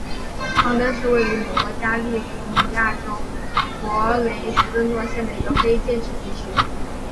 康登是位于美国加利福尼亚州弗雷斯诺县的一个非建制地区。